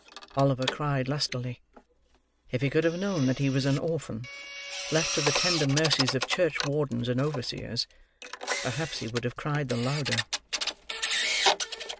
Oliver cried lustily. If he could have known that he was an orphan, left to the tender mercies of church wardens and overseers, perhaps he would have cried the louder.